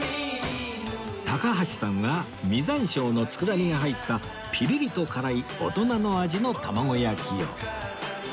高橋さんは実山椒の佃煮が入ったピリリと辛い大人の味の玉子焼きを